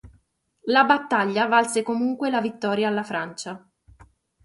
La battaglia valse comunque la vittoria alla Francia.